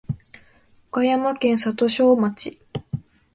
岡山県里庄町